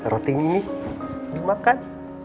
roti ini dimakan